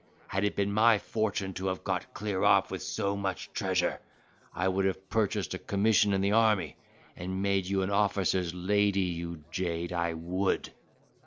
Had it been my fortune to have got clear off with so much treasure, I would have purchased a commission in the army, and made you an officer's lady, you jade, I would."